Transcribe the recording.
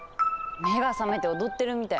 目が覚めて踊ってるみたい。